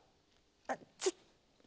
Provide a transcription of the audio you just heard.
あっちょっ！